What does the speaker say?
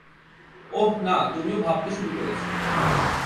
ওহ না, তুমিও ভাবতে শুরু করেছ।